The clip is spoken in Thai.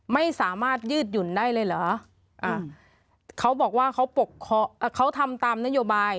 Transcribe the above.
ไม่สามารถยืดหยุ่นได้เลยเหรอเขาบอกว่าเขาทำตามนโยบาย